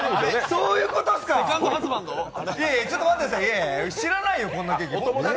そういうことですかちょっと待ってください、知らないよ、こんなケーキ。